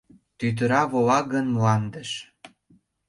Тӱтыра вола гын мландыш